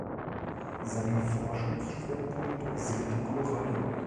Sein Forschungsschwerpunkt sind die Korallen.